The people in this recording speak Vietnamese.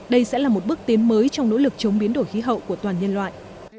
đây sẽ là một bước tiến mới trong nỗ lực chống biến đổi khí hậu của toàn nhân loại